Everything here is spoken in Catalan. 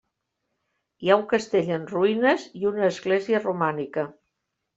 Hi ha un castell en ruïnes i una església romànica.